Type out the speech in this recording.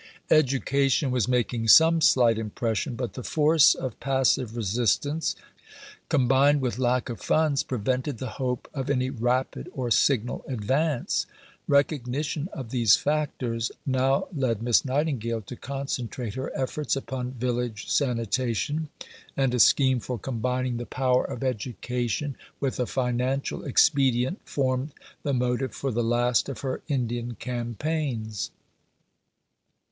Education was making some slight impression, but the force of passive resistance, combined with lack of funds, prevented the hope of any rapid or signal advance. Recognition of these factors now led Miss Nightingale to concentrate her efforts upon Village Sanitation, and a scheme for combining the power of education with a financial expedient formed the motive for the last of her Indian campaigns.